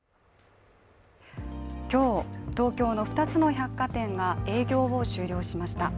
今日、東京の２つの百貨店で営業を終了しました。